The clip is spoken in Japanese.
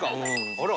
あら。